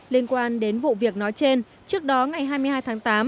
liên quan đến vụ việc nói trên trước đó ngày hai mươi hai tháng tám